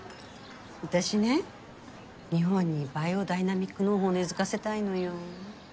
私ね日本にバイオダイナミック農法根付かせたいのよ。